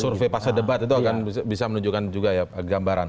survei pasca debat itu akan bisa menunjukkan juga ya gambaran